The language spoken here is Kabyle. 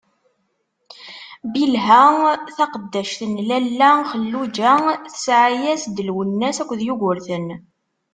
Bilha, taqeddact n Lalla Xelluǧa tesɛa-as-d: Lwennas akked Yugurten.